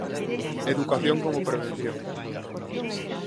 Educación como prevención.